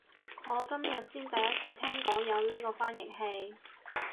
我今日先第一次聽講有呢個翻譯器